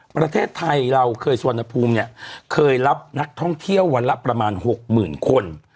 ประเทศไทยเราเคยสุวรรณภูมิเนี่ยเคยรับนักท่องเที่ยววันละประมาณ๖๐๐๐คน